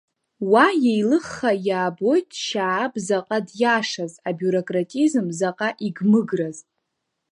Уа иеилыхха иаабоит Шьааб заҟа диашаз, абиурократизм заҟа игмыграз…